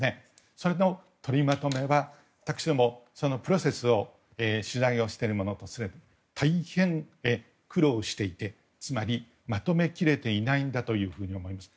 それのとりまとめは私ども、プロセスを取材している者とすれば大変、苦労していてつまりまとめ切れていないんだと思います。